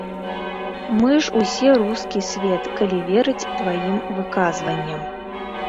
Мы ж усе рускі свет, калі верыць тваім выказванням.